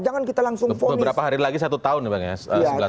jangan kita langsung form beberapa hari lagi satu tahun ya bang ya